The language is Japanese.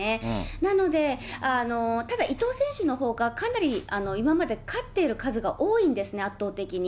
なので、ただ、伊藤選手のほうが、かなり今まで勝っている数が多いんですね、圧倒的に。